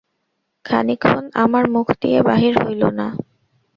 খানিকক্ষণ আমার মুখ দিয়া বাহির হইল না।